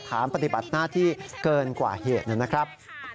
ฐานปฏิบัติหน้าที่เกินกว่าเหตุนะครับ